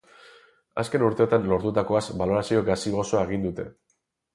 Azken urteotan lortutakoaz balorazio gazi-gozoa egin dute.